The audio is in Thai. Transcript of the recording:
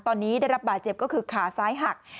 ตอนนี้ได้รับบาดเจ็บก็คือขาซ้ายหัก